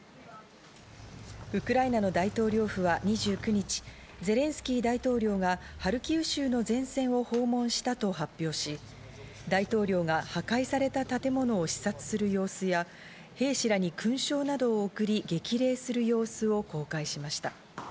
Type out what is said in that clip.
ウクライナの大統領府は２９日、ゼレンスキー大統領が、ハルキウ州の前線を訪問したと発表し、大統領が破壊された建物を視察する様子や、兵士らに勲章などを送り、激励する様子を公開しました。